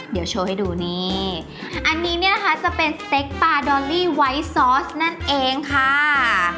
เดี๋ยวโชว์ให้ดูนี่อันนี้เนี่ยนะคะจะเป็นสเต็กปลาดอลลี่ไวท์ซอสนั่นเองค่ะ